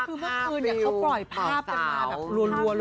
คือเมื่อกลิวเป็นและรวนวาน